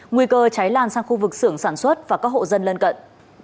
nguy cơ cháy lan sang khu vực xưởng sản xuất và các hộ dân lân cận